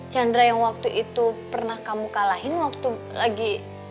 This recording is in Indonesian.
chandra yang waktu itu pernah kamu kalahin waktu lagi